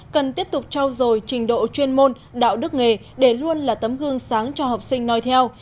cần tiếp tục trao dồi trình độ chuyên môn đạo đức nghề để luôn là tấm gương sáng cho học sinh nói theo